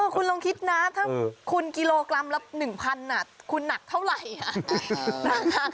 คุณลองคิดนะถ้าคุณกิโลกรัมละ๑๐๐บาทคุณหนักเท่าไหร่